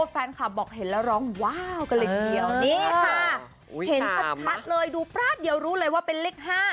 แฟนคลับบอกเห็นแล้วร้องว้าวกันเลยทีเดียวนี่ค่ะเห็นชัดเลยดูแป๊บเดียวรู้เลยว่าเป็นเลข๕